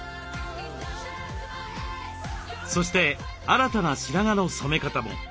そして新たな白髪の染め方も。